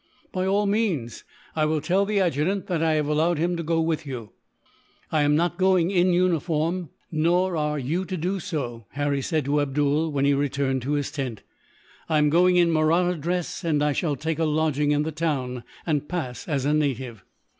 "By all means. I will tell the adjutant that I have allowed him to go with you." "I am not going in uniform, nor are you to do so," Harry said to Abdool, when he returned to his tent. "I am going in Mahratta dress, and I shall take a lodging in the town, and pass as a native.